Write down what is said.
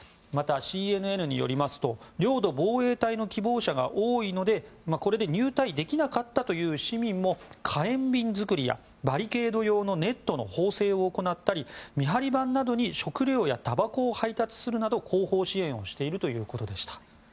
また、ＣＮＮによりますと領土防衛隊の希望者が多いのでこれで入隊できなかったという市民も火炎瓶作りやバリケード用のネットの縫製を行ったり見張り番などに食料やたばこを配達するなど後方支援をしているということでした。